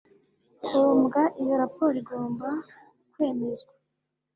ngombwa Iyo raporo igomba kwemezwa